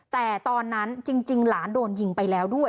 แต่ตอนนั้นจริงหลานโดนยิงไปแล้วด้วย